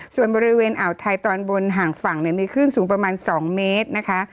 ส่วนบริเวณอ่าวไทยตอนบนห่างฝั่งมีคลื่นสูงประมาณ๒เมตรนะคะ